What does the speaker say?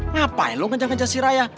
ngapain lo ngejar ngejar si raya